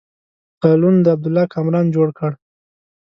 سالون د عبدالله کامران جوړ کړی.